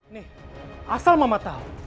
nih asal mama tau